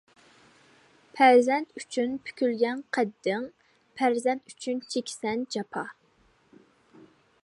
پەرزەنت ئۈچۈن پۈكۈلگەن قەددىڭ، پەرزەنت ئۈچۈن چېكىسەن جاپا.